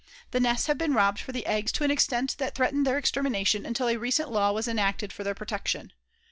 The nests have been robbed for the eggs to an extent that threatened their extermination until a recent law was enacted for their protection.